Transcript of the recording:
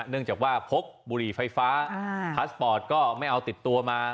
เนื่องจากว่าพกบุหรี่ไฟฟ้าพาสปอร์ตก็ไม่เอาติดตัวมา